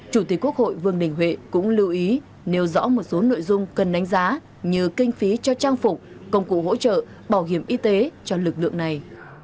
chủ tịch quốc hội vương đình huệ cũng lưu ý nêu rõ một số nội dung cần đánh giá như kinh phí cho trang phục công cụ hỗ trợ bảo hiểm y tế cho lực lượng này